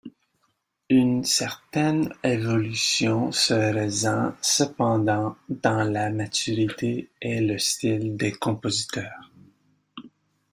Une certaine évolution se ressent cependant dans la maturité et le style des compositeurs.